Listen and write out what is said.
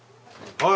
はい。